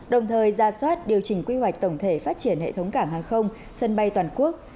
đồng thời ra soát điều chỉnh quy hoạch tổng thể phát triển hệ thống cảng hàng không sân bay toàn quốc